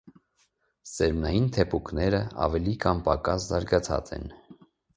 Սերմնային թեփուկները ավելի կամ պակաս զարգացած են։